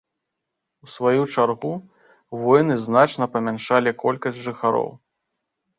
У сваю чаргу, войны значна памяншалі колькасць жыхароў.